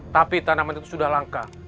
tapi tanaman itu sudah langka